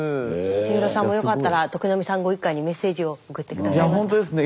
三浦さんもよかったら徳並さんご一家にメッセージを送って下さいますか？